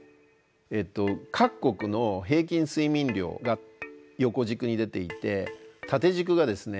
各国の平均睡眠量が横軸に出ていて縦軸がですね